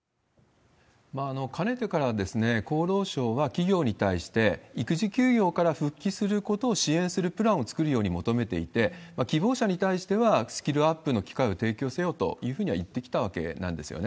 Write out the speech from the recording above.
かねてから、厚労省は企業に対して、育児休業から復帰することを支援するプランを作るように求めていて、希望者に対してはスキルアップの機会を提供せよというふうには言ってきたわけなんですよね。